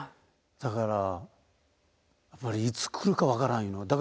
だからやっぱりいつ来るか分からんいうの。